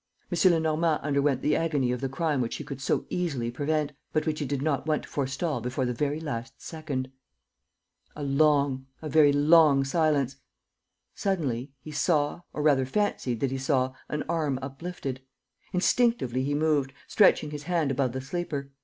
M. Lenormand underwent the agony of the crime which he could so easily prevent, but which he did not want to forestall before the very last second. A long, a very long silence. Suddenly, he saw or rather fancied that he saw an arm uplifted. Instinctively he moved, stretching his hand above the sleeper.